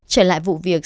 trở lại vụ việc